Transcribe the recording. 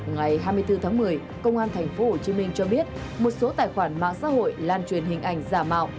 ngày hai mươi bốn tháng một mươi công an thành phố hồ chí minh cho biết một số tài khoản mạng xã hội lan truyền hình ảnh giả mạo